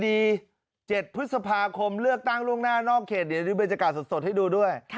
มี๗พฤษภาคมเลือกตั้งล่วงหน้านอกเขตอยู่ในบริเวณจักรสดให้ดูด้วย